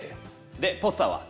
でポスターは？